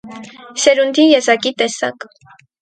Սերունդի եզակի տեսակ։